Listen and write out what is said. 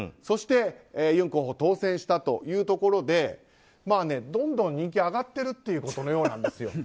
そして、尹候補当選したというところでどんどん人気が上がっているようなんです。